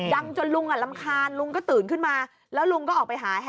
ดังจนลุงลำคาญลุงก็ตื่นขึ้นมา